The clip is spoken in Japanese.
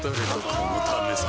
このためさ